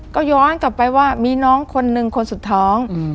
ก็ย้อนกลับไปว่ามีน้องคนหนึ่งคนสุดท้อง